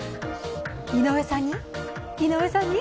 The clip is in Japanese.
井上さんに？